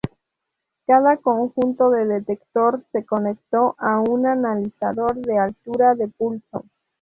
Cada conjunto de detector se conectó a un analizador de altura de pulso.